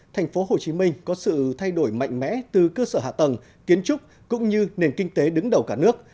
thành phố hồ chí minh có sự thay đổi mạnh mẽ từ cơ sở hạ tầng kiến trúc cũng như nền kinh tế đứng đầu cả nước